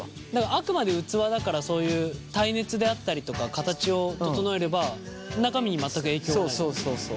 あくまで器だからそういう耐熱であったりとか形を整えれば中身に全く影響がないっていうこと。